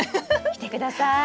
来てください。